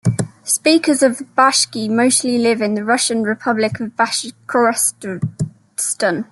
Speakers of Bashkir mostly live in the Russian republic of Bashkortostan.